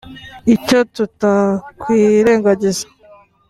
“Icyo tutakwirengagiza